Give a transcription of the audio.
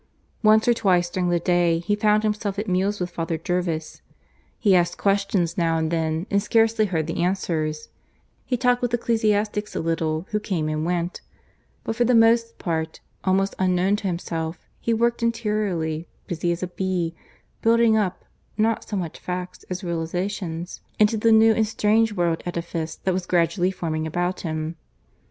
Once or twice during the day he found himself at meals with Father Jervis; he asked questions now and then and scarcely heard the answers; he talked with ecclesiastics a little who came and went; but, for the most part almost unknown to himself, he worked interiorly, busy as a bee, building up, not so much facts as realizations, into the new and strange world edifice that was gradually forming about him.